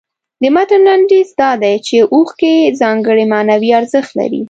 د متن لنډیز دا دی چې اوښکې ځانګړی معنوي ارزښت لري.